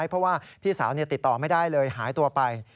เพราะว่าพี่สาวติดต่อไม่ได้เลยหายตัวไป